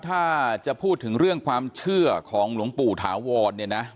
ถ้าจะพูดถึงเรื่องความเชื่อของหลวงปู่ถาวรเนี่ยนะ